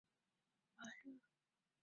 马热是巴西里约热内卢州的一个市镇。